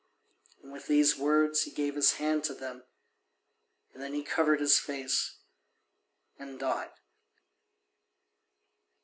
And with these words he gave his hand to them, and then he covered his face and died.